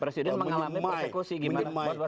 presiden mengalami persekusi